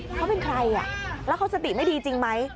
เขาเป็นใครแล้วเขาสติไม่ดีจริงไหม